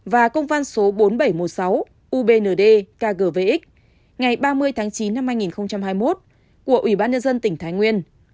và công văn số bốn nghìn bảy trăm một mươi sáu ubnd kgvx ngày ba mươi tháng chín năm hai nghìn hai mươi một của ủy ban nhân dân tỉnh thái nguyên